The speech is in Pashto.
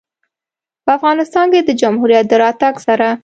په افغانستان کې د جمهوریت د راتګ سره